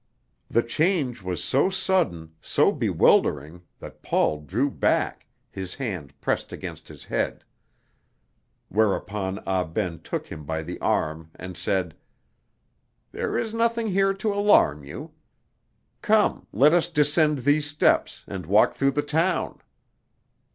The change was so sudden, so bewildering, that Paul drew back, his hand pressed against his head; whereupon Ah Ben took him by the arm and said: "There is nothing here to alarm you. Come, let us descend these steps, and walk through the town!"